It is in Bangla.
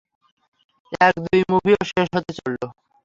এক দুই মুভিও শেষ হতে চললো।